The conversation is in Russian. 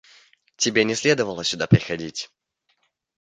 Тебе не следовало сюда приходить.